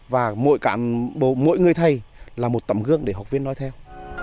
và mỗi người thầy là một tầm gương để học viên nói theo